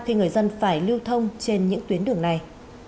khi người dân phải lưu thông trên những tuyến đường này